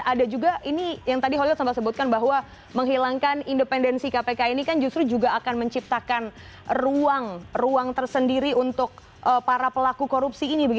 ada juga ini yang tadi holil sempat sebutkan bahwa menghilangkan independensi kpk ini kan justru juga akan menciptakan ruang tersendiri untuk para pelaku korupsi ini